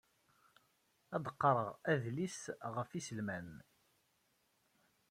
Ad qqareɣ adlis ɣef iselman.